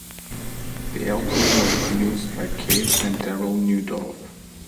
The album was produced by Case and Darryl Neudorf.